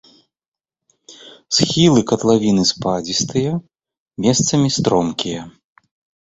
Схілы катлавіны спадзістыя, месцамі стромкія.